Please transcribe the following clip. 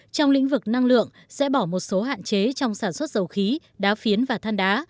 trong lĩnh vực năng lượng sẽ bỏ một số hạn chế trong sản xuất dầu khí đá phiến và than đá